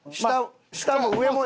下も上もよ。